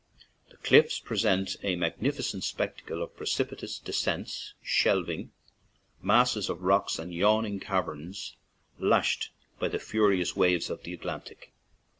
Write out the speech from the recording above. The cliffs present a magnificent spectacle of precipitous descents, shelving masses of rock and yawning caverns lashed by the furious waves of the Atlantic.